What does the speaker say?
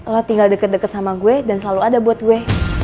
lo tinggal deket deket sama gue dan selalu ada buat gue